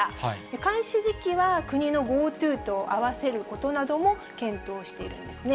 開始時期は国のＧｏＴｏと合わせることなどを検討しているんですね。